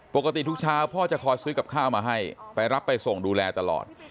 ปกติทุกเช้าพ่อจะคอยซื้อกับข้าวมาให้ไปรับไปส่งดูแลตลอด